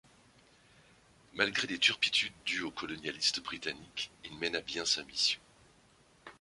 Malgré les turpitudes dues aux colonialistes britanniques, il mène à bien sa mission.